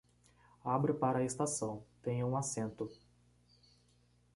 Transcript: Abra para a estação, tenha um assento